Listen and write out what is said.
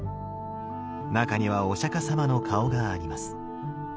中にはお釈さまの顔があります。